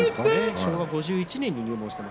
昭和５１年に入門しています。